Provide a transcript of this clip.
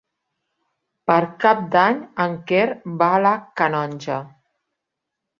Per Cap d'Any en Quer va a la Canonja.